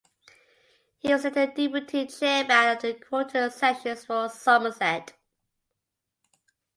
He was later deputy chairman of the quarter sessions for Somerset.